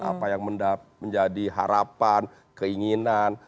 apa yang menjadi harapan keinginan